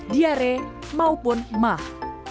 diare maupun emah